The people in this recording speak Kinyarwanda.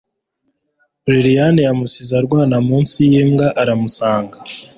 lilian yamusize arwana munsi yimbwa aramusanga